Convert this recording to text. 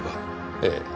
ええ。